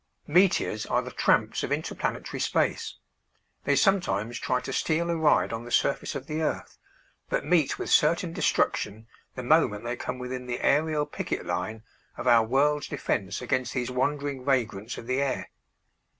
Meteors are the tramps of interplanetary space. They sometimes try to steal a ride on the surface of the earth, but meet with certain destruction the moment they come within the aërial picket line of our world's defense against these wandering vagrants of the air.